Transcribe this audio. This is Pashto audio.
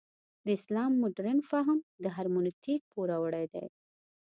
د اسلام مډرن فهم د هرمنوتیک پوروړی دی.